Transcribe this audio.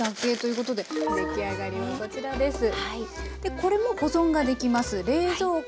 これも保存ができます。